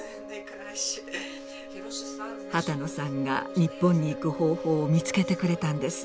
波多野さんが日本に行く方法を見つけてくれたんです。